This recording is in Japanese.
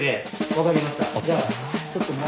分かりました。